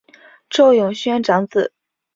邹永煊长子。